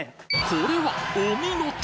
これはお見事！